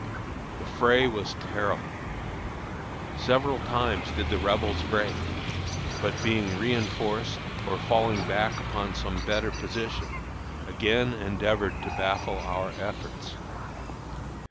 The fray was terrible. Several times did the Rebels break, but, being reënforced or falling back upon some better position, again endeavored to baffle our efforts.